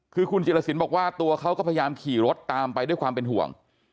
คือคุณจิลสินบอกว่าตัวเขาก็พยายามขี่รถตามไปด้วยความเป็นห่วง